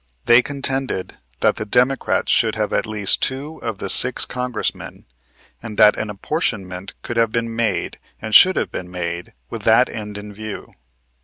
They contended that the Democrats should have at least two of the six Congressmen and that an apportionment could have been made and should have been made with that end in view.